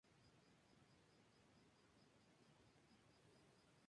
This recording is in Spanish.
De Monte nació en Malinas.